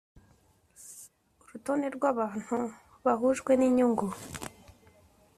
Urutonde rw abantu bahujwe n inyungu